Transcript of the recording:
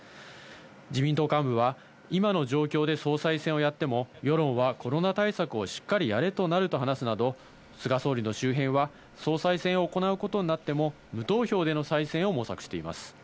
自民党幹部は今の状況で総裁選をやっても世論はコロナ対策をしっかりやれとなると話すなど菅総理の周辺は総裁選を行うことになっても無投票での再選を模索しています。